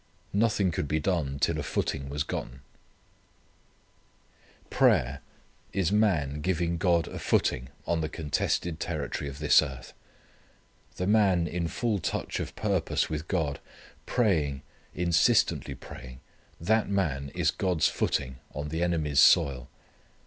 Nothing could be done till a footing was gotten. Prayer is man giving God a footing on the contested territory of this earth. The man in full touch of purpose with God praying, insistently praying that man is God's footing on the enemy's soil.